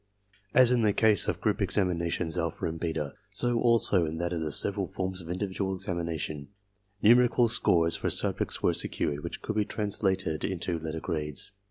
As in the case of group examinations alpha and beta, so also in that of the several forms of individual examination, numerical scores for subjects were secured which could be translated into letter grades.